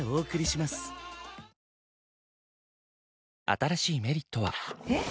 新しい「メリット」はえっ！